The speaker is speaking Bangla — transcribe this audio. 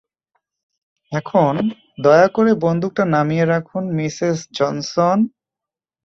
এখন, দয়া করে বন্দুক টা নামিয়ে রাখুন, মিসেস জনসন।